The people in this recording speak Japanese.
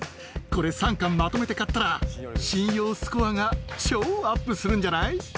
これ、３巻まとめて買ったら、信用スコアが超アップするんじゃない？